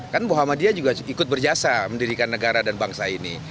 kan muhammadiyah juga ikut berjasa mendirikan negara dan bangsa ini